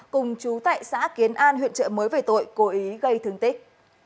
cùng chú tại xã kiến an huyện trợ mới về tội cố ý gây thương tích